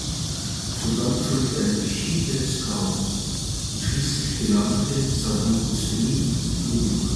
Sodann folgte eine Geschichte des Chaos, und schließlich gelangte Saddam Hussein an die Macht.